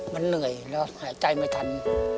มันเหนื่อยแล้วหายใจไม่ทัน